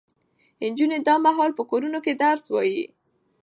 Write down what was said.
نجونې دا مهال په کورونو کې درس وايي.